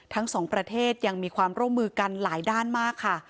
ทั้งสองประเทศยังมีความร่วมมือกันหลายด้านมากค่ะ